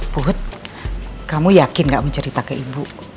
puhut kamu yakin gak mencerita ke ibu